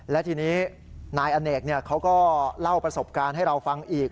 และทีนี้นายอเนกเขาก็เล่าประสบการณ์ให้เราฟังอีก